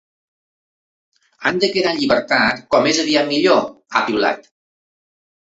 Han de quedar en llibertat com més aviat millor, ha piulat.